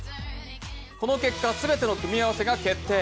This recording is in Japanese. この結果、全ての組み合わせが決定